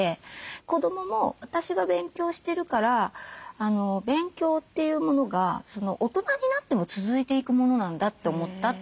子どもも私が勉強してるから勉強というものが大人になっても続いていくものなんだって思ったって。